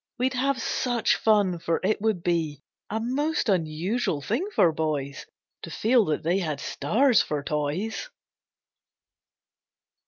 We'd have such fun, for it would be A most unusual thing for boys To feel that they had stars for toys!